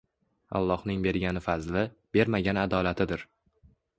Allohning bergani fazli, bermagani adolatidir.